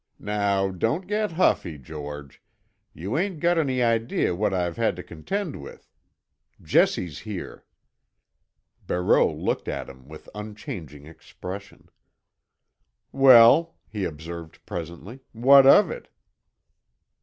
Now, don't get huffy, George. You ain't got any idee what I've had to contend with. Jessie's here." Barreau looked at him with unchanging expression. "Well," he observed presently, "what of it?"